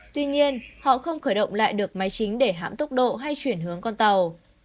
tuy nhiên họ không khởi động lại được máy chính để hạm tốc độ hay chuyển hướng con tàu